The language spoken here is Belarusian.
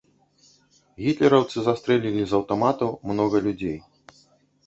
Гітлераўцы застрэлілі з аўтаматаў многа людзей.